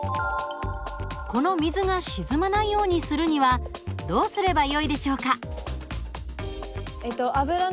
この水が沈まないようにするにはどうすればよいでしょうか？